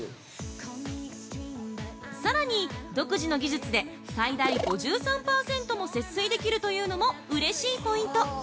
さらに、独自の技術で最大５３％も節水できるというのも、うれしいポイント。